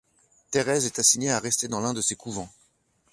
Thérèse est assignée à rester dans l'un de ses couvents.